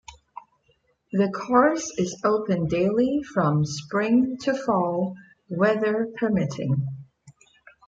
The course is open daily from spring to fall, weather permitting.